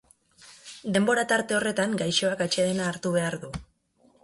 Denbora tarte horretan gaixoak atsedena hartu behar du.